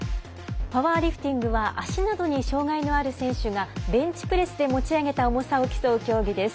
パワーリフティングは足などに障がいがある選手がベンチプレスで持ち上げた重さを競う競技です。